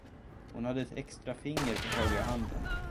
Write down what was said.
Hon hade ett extra finger på högra handen.